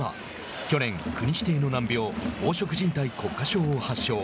去年、国指定の難病黄色じん帯骨化症を発症。